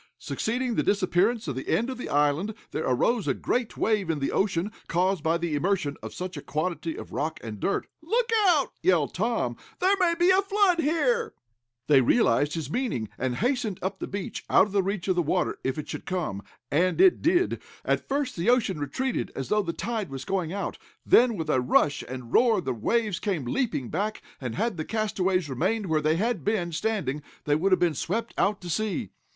Succeeding the disappearance of the end of the island there arose a great wave in the ocean, caused by the immersion of such a quantity of rock and dirt. "Look out!" yelled Tom, "there may be a flood here!" They realized his meaning, and hastened up the beach, out of reach of the water if it should come. And it did. At first the ocean retreated, as though the tide was going out, then, with a rush and roar, the waves came leaping back, and, had the castaways remained where they had been standing they would have been swept out to sea.